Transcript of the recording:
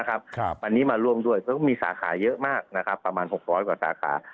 อันนี้มาร่วมด้วยก็มีสาขาเยอะมากประมาณ๖๐๐กว่าสาขา